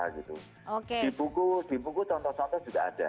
di buku contoh contoh juga ada